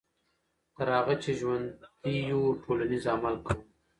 تر هغه چې ژوندي یو ټولنیز عمل کوو.